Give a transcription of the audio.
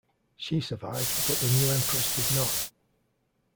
She survived, but the new empress did not.